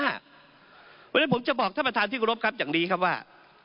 เพราะฉะนั้นผมจะบอกท่านประธานที่กรบครับอย่างนี้ครับว่า